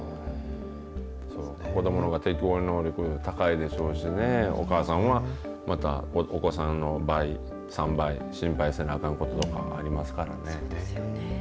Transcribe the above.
子どものほうが適応能力高いでしょうしね、お母さんはまたお子さんの倍、３倍、心配せなあかんこととかありますからね。